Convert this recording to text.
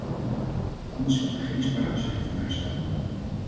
Anders kan er geen sprake zijn van herstel.